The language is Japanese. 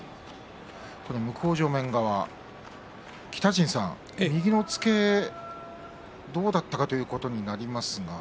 向正面側、北陣さん右の押っつけ、どうだったということになりますか？